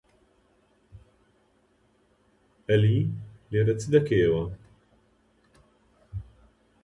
ئەلی! لێرە چ دەکەیەوە؟